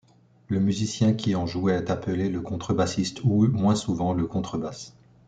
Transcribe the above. Le musicien qui en joue est appelé le contrebassiste ou, moins souvent, le contrebasse.